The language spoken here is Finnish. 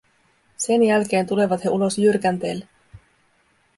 Sen jälkeen tulevat he ulos jyrkänteelle.